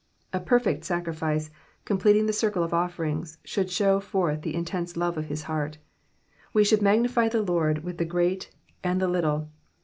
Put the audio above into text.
^^ A perfect sarrifioe, completing the circle of oSerings, sbooid show forth the in tense loTe of hi« heart. We shovild magnifj the Lord with the great and the little.